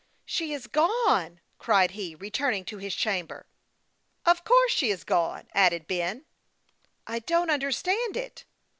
" She is gone !" cried he, returning* to his chamber. " Of course she is gone," added Ben. " I don't understand it."